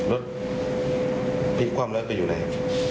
รถพลิกความร้อยไปอยู่ไหน